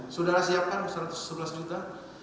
saudara siapkan satu ratus sebelas juta